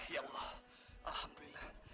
ya allah alhamdulillah